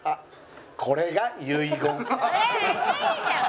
めっちゃいいじゃん！